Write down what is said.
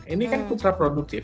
ini kan ultra produktif